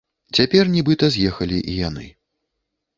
Цяпер нібыта з'ехалі і яны.